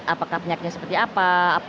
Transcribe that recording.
apakah penyakitnya seperti apa